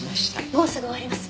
もうすぐ終わります。